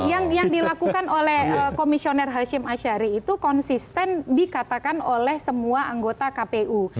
yang dilakukan oleh komisioner hashim ashari itu konsisten dikatakan oleh semua anggota kpu